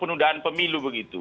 penundaan pemilu begitu